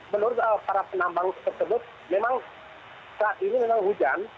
menurut para penambang tersebut memang saat ini memang hujan